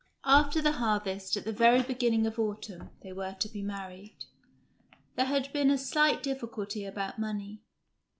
After the harvest, at the very beginning of autumn, they were to be married. There had been a slight difficulty about money.